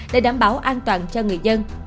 để đảm bảo an toàn cho người dân